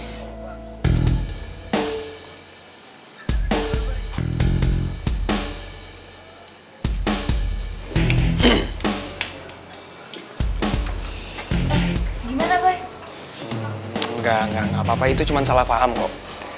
enggak enggak apa apa itu cuma salah paham kok